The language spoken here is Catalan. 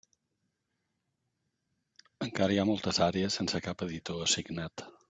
Encara hi ha moltes àrees sense cap editor assignat.